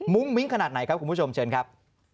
มิ้งขนาดไหนครับคุณผู้ชมเชิญครับ